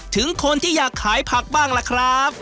ถึงคนที่อยากขายผักบ้างล่ะครับ